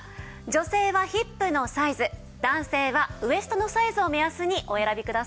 女性はヒップのサイズ男性はウエストのサイズを目安にお選びください。